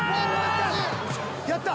やった！